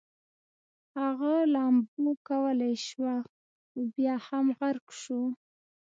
هغه لامبو کولی شوه خو بیا هم غرق شو